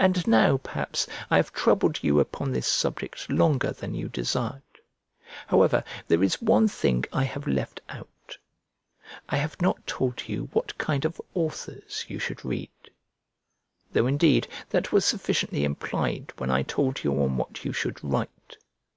And now, perhaps, I have troubled you upon this subject longer than you desired; however, there is one thing I have left out: I have not told you what kind of authors you should read; though indeed that was sufficiently implied when I told you on what you should write.